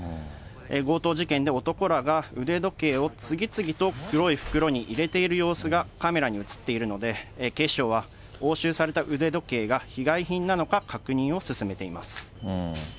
強盗事件で男らが腕時計を次々と黒い袋に入れている様子がカメラに写っているので、警視庁は押収された腕時計が被害品なのか確認を進めています。